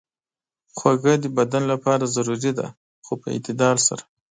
خوږه د بدن لپاره ضروري ده، خو په اعتدال سره.